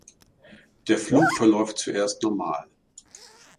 Der Flug verläuft zuerst normal.